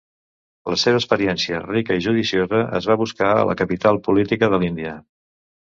La seva experiència rica i judiciosa es va buscar a la capital política de l'Índia.